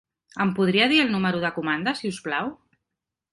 Em podria dir el número de comanda si us plau?